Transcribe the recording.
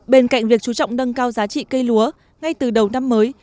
bên cạnh việc chú trọng nâng cao giá trị cây lúa ngay từ đầu năm mới